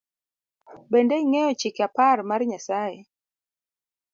Bende ing’eyo chike apar mar Nyasaye?